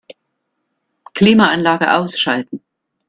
Klimaanlage ausschalten.